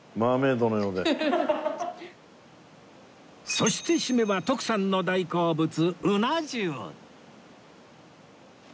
そしてシメは徳さんの大好物鰻重